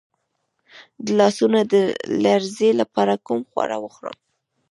د لاسونو د لرزې لپاره کوم خواړه وخورم؟